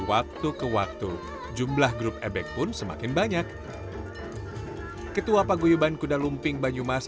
waktu ke waktu jumlah grup ebek pun semakin banyak ketua paguyuban kuda lumping banyumas